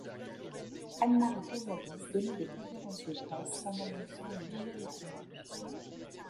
Anne-Marie Cazalis donnait des conférences de presse en annonçant huit jours de tournage.